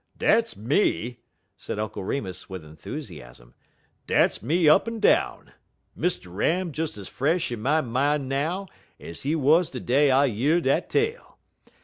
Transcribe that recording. "Dat's me!" said Uncle Remus with enthusiasm; "dat's me up en down. Mr. Ram des ez fresh in my min' now ez he wuz de day I year de tale.